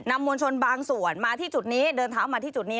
มวลชนบางส่วนมาที่จุดนี้เดินเท้ามาที่จุดนี้